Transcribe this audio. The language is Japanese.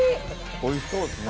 おいしそうですね。